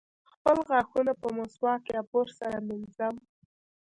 خپل غاښونه په مسواک یا برس سره مینځم.